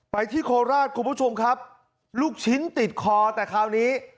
ที่โคราชคุณผู้ชมครับลูกชิ้นติดคอแต่คราวนี้